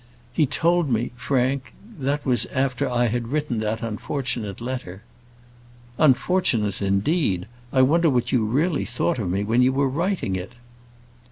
He told me, Frank that was after I had written that unfortunate letter " "Unfortunate, indeed! I wonder what you really thought of me when you were writing it?"